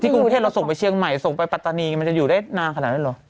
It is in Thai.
กรุงเทพเราส่งไปเชียงใหม่ส่งไปปัตตานีมันจะอยู่ได้นานขนาดนั้นเหรอ